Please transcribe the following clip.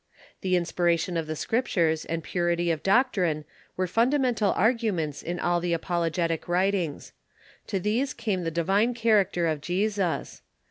The inspiration of the Scriptures and purity of doc trine were fundamental arguments in all the apologetic writ ings. To these came the divine character of Jesus.